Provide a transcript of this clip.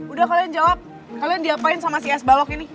udah kalian jawab kalian diapain sama si es balok ini